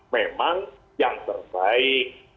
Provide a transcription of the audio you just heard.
memang yang terbaik